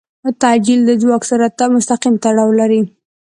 تعجیل د ځواک سره مستقیم تړاو لري.